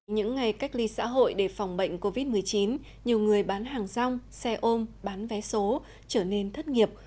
những ngày cách ly xã hội để phòng bệnh covid một mươi chín nhiều người bán hàng rong xe ôm bán vé số trở nên thất nghiệp